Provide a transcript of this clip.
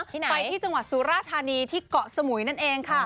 ไปที่จังหวัดสุราธานีที่เกาะสมุยนั่นเองค่ะ